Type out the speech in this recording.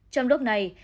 trong đốc này